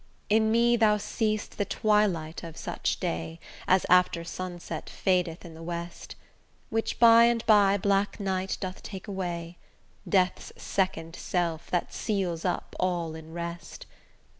In me thou see'st the twilight of such day As after sunset fadeth in the west; Which by and by black night doth take away, Death's second self, that seals up all in rest.